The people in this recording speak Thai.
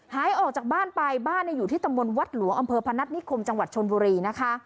หายออกจากบ้านไปบ้านอยู่ที่ตำบลวัดหลวงอำเภอพนัฐนิคมจังหวัดชนบุรีนะคะ